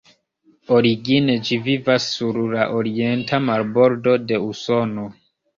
Origine ĝi vivas sur la orienta marbordo de Usono.